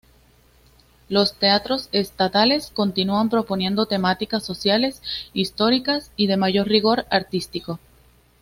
Los teatros estatales continúan proponiendo temáticas sociales, históricas y de mayor rigor artístico.